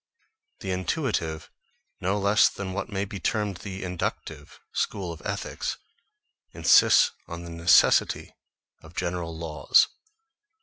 The intuitive, no less than what may be termed the inductive, school of ethics, insists on the necessity of general laws.